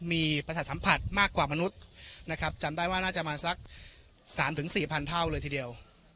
มีประสาทสัมผัสมากกว่ามนุษย์นะครับจำได้ว่าน่าจะมาสัก๓๔๐๐เท่าเลยทีเดียว